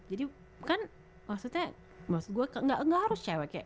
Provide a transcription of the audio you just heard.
jadi kan maksudnya maksud gue gak harus cewek